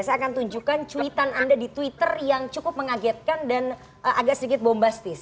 saya akan tunjukkan cuitan anda di twitter yang cukup mengagetkan dan agak sedikit bombastis